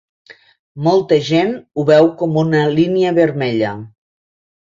Molta gent ho veu com una línia vermella.